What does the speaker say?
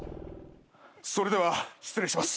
それでは失礼します。